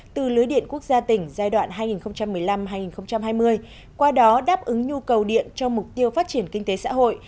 từ lưới điện quốc gia tỉnh giai đoạn hai nghìn một mươi năm hai nghìn hai mươi qua đó đáp ứng nhu cầu điện cho mục tiêu phát triển kinh tế xã hội